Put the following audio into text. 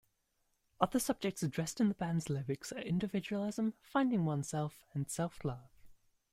Other subjects addressed in the band's lyrics are individualism, finding oneself and self-love.